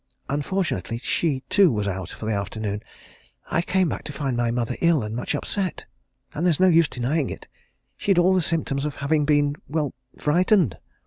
Unfortunately, she, too, was out for the afternoon. I came back to find my mother ill and much upset and there's no use denying it she'd all the symptoms of having been well, frightened.